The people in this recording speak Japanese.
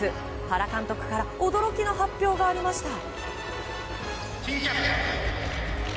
原監督から驚きの発表がありました。